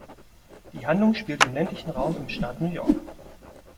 Die Handlung spielt im ländlichen Raum im Staat New York.